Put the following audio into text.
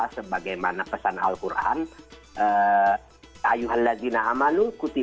sebagaimana pesan al quran